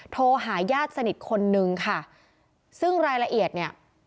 โทรหาญาติสนิทคนนึงค่ะซึ่งรายละเอียดเนี่ย